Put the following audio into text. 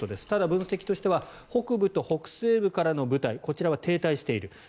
ただ分析としては北部と北西部からの部隊こちらは停滞している。